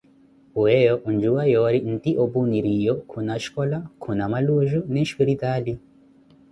Weeyo ondjuwa yoori nti opu niriiyo khuna shicola, na khuna maluuju, nne shiripitaali.